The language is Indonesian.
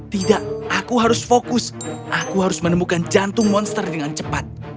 tidak aku harus fokus aku harus menemukan jantung monster dengan cepat